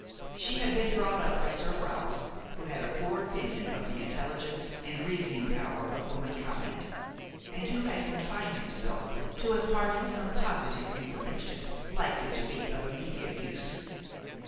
She had been brought up by Sir Ralph, who had a poor opinion of the intelligence and reasoning power of womankind, and who had confined himself to imparting some positive information likely to be of immediate use.